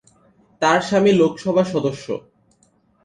তার স্বামী লোকসভার সদস্য।